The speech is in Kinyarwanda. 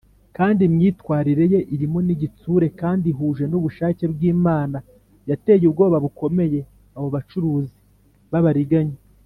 kandi imyitwarire ye irimo n’igitsure kandi ihuje n’ubushake bw’imana yateye ubwoba bukomeye abo bacuruzi b’abariganya